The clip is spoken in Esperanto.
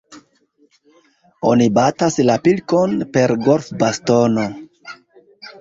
Oni batas la pilkon per golfbastono.